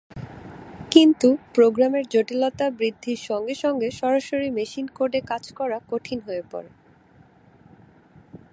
কিন্তু প্রোগ্রামের জটিলতা বৃদ্ধির সঙ্গে সঙ্গে সরাসরি মেশিন কোডে কাজ করা কঠিন হয়ে পড়ে।